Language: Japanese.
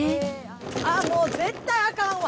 ああもう、絶対あかんわ。